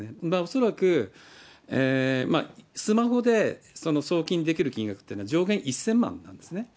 恐らく、スマホで送金できる金額っていうのは、上限１０００万なんですね。